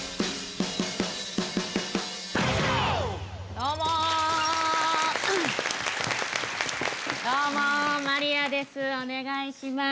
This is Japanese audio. どうもマリアですお願いします。